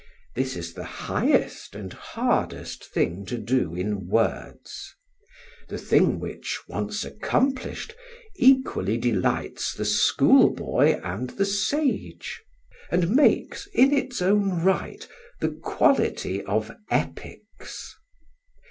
This is the highest and hardest thing to do in words; the thing which, once accomplished, equally delights the schoolboy and the sage, and makes, in its own right, the quality of epics.